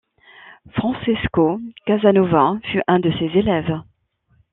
Francesco Casanova fut un de ses élèves.